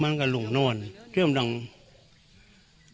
พันให้หมดตั้ง๓คนเลยพันให้หมดตั้ง๓คนเลย